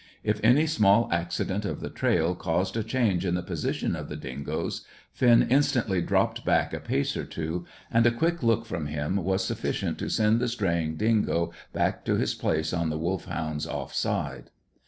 If any small accident of the trail caused a change in the position of the dingoes, Finn instantly dropped back a pace or two, and a quick look from him was sufficient to send the straying dingo back to his place on the Wolfhound's off side.